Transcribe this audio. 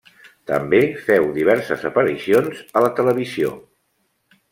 També féu diverses aparicions a la televisió.